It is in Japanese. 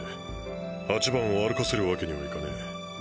８番を歩かせるわけにはいかねえ。